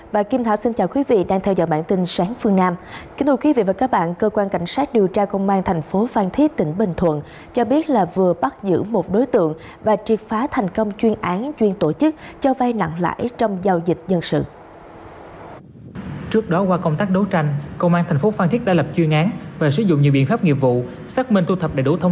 về trụ sở công an thành phố phan thiết để đấu tranh làm rõ